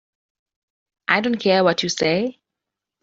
I don't care what you say.